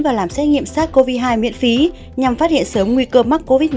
và làm xét nghiệm sars cov hai miễn phí nhằm phát hiện sớm nguy cơ mắc covid một mươi chín